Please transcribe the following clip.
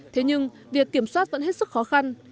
thế nhưng việc kiểm soát vẫn hết sức khó khăn